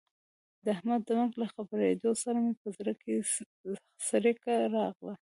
د احمد د مرګ له خبرېدو سره مې په زړه کې څړیکه راغله.